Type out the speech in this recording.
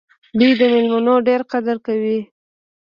دوی د میلمنو ډېر قدر کوي.